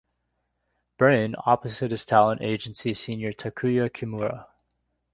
Brain, opposite his talent agency senior Takuya Kimura.